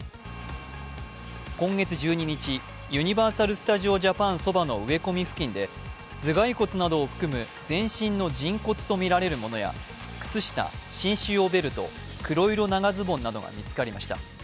今月１２日、ユニバーサル・スタジオ・ジャパンそばの植え込み付近で頭蓋骨などを含む全身の人骨とみられるものや靴下、紳士用ベルト、黒色長ズボンなどが見つかりました。